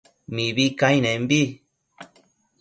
mibi cainenbi